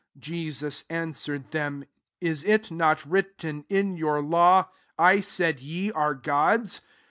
34 Jesus answered them, " Is it not written in your law, • I said, ye are gods